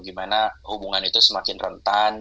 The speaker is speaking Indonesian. gimana hubungan itu semakin rentan